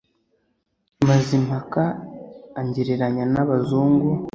Mazimpaka angereranya n'abazungu